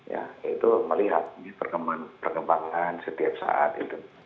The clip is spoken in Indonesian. ya itu melihat perkembangan setiap saat itu